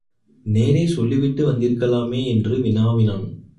நேரே சொல்லிவிட்டு வந்திருக்கலாமே என்று வினாவினான்.